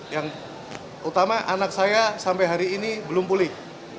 yang utama anak saya sampai hari ini belum pulih